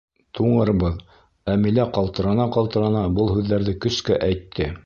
Туңырбыҙ...— Әмилә ҡалтырана-ҡалтырана был һүҙҙәрҙе көскә әйтте.